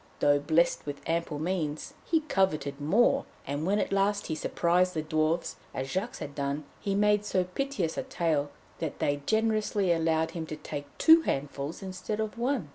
Though blessed with ample means, he coveted more, and when at last he surprised the Dwarfs as Jacques had done, he made so piteous a tale that they generously allowed him to take two handfuls instead of one.